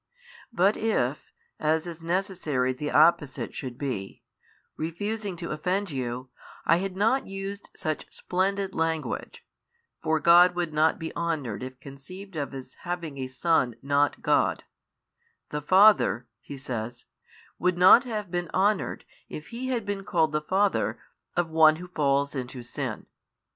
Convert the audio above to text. But if (as is necessary the opposite should be) refusing to offend you, I had not used such splendid language (for God would not be honoured if conceived of as having a Son not God) the Father (He says) would not have been honoured if He had been called the Father of one who falls into sin.